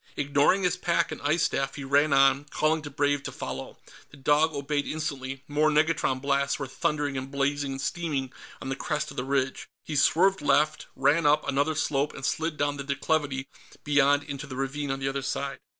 Ignoring his pack and ice staff, he ran on, calling to Brave to follow. The dog obeyed instantly; more negatron blasts were thundering and blazing and steaming on the crest of the ridge. He swerved left, ran up another slope, and slid down the declivity beyond into the ravine on the other side.